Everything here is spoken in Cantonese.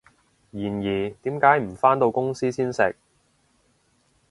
然而，點解唔返到公司先食？